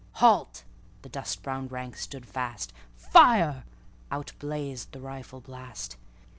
"Halt!"—the dust brown ranks stood fast,"Fire!"—out blazed the rifle blast.